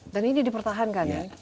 dan ini dipertahankan ya